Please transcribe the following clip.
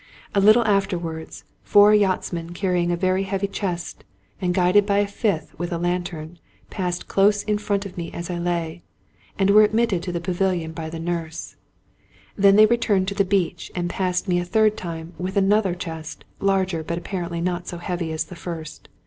A little afterwards, four yachtsmen carrying a very heavy chest, and guided by a fifth with a lantern, passed close in front of me as I lay, and were admitted to the pavilion by^ the nurse. They returned to the beach, and passed me a third time with another chest, larger but apparently not so* heavy as the first.